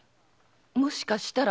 もしかしたら。